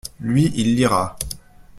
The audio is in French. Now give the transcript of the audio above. Lui, il lira.